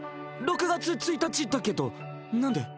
６月１日だけどなんで？